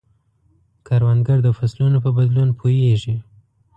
کروندګر د فصلونو په بدلون پوهیږي